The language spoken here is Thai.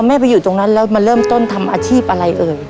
ไปอยู่ตรงนั้นแล้วมาเริ่มต้นทำอาชีพอะไรเอ่ย